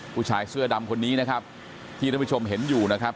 ผู้ชายเสื้อดำคนนี้นะครับที่ท่านผู้ชมเห็นอยู่นะครับ